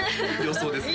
予想です